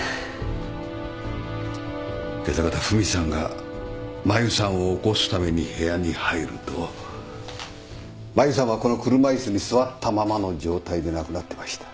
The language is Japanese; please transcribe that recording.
けさ方フミさんがマユさんを起こすために部屋に入るとマユさんはこの車椅子に座ったままの状態で亡くなってました。